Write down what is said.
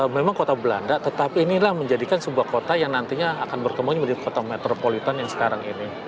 memang kota belanda tetapi inilah menjadikan sebuah kota yang nantinya akan berkembang menjadi kota metropolitan yang sekarang ini